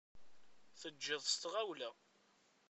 Tejjiḍ s tɣawla.